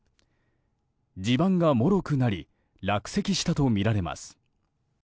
地盤がもろくなり落石したとみられます。